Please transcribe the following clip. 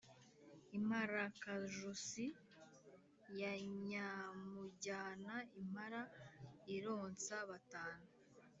Imparakajosi ya Nyamujyana impara ironsa batanu